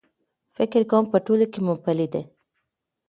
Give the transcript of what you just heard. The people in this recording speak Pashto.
فکر کوم په ټولو کې مومپلي دي.H